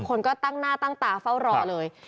คนก็ตั้งหน้าตั้งตาเฝ้ารอเลย